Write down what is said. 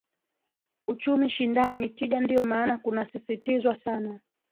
Uchumi shindani ni tija ndio maana kuna sisitizwa sana